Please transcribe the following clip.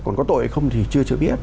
còn có tội hay không thì chưa biết